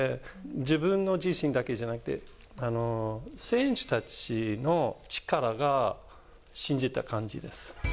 自分の自信だけじゃなくて、選手たちの力が、信じた感じです。